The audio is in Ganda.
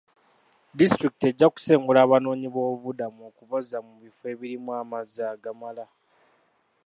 Disitulikiti ejja kusengula abanoonyi b'obubuddamu okubazza mu bifo ebirimu amazzi agamala.